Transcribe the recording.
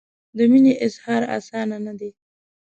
د مینې اظهار اسانه نه دی.